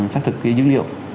xác thực dữ liệu